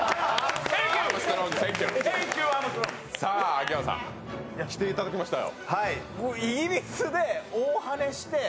秋山さん、来ていただきましたよ。